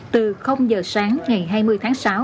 từ giờ sáng ngày hai mươi tháng sáu